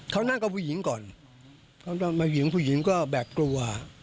เขานั่งกับผู้หญิงก่อนผู้หญิงผู้หญิงก็แบบกลัว